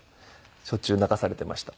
しょっちゅう泣かされてました。